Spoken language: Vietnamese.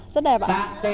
rất đẹp ạ